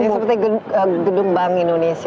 seperti gedung bank indonesia